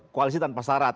koalisi tanpa syarat